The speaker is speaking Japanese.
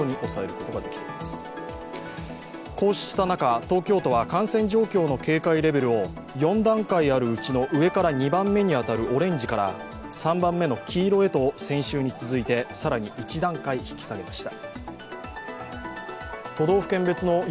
こうした中、東京都は感染状況の警戒レベルを４段階あるうちの上から２番目にあたるオレンジから３番目の黄色へと先週に続いて更に１段階引き下げました。